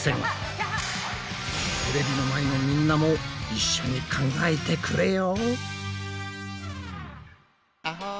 テレビの前のみんなも一緒に考えてくれよ！